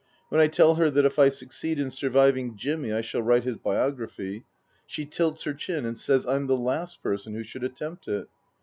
When I tell her that if I succeed in surviving Jimmy I shall write his biography, she tilts her chin and says I'm the last person who should attempt it.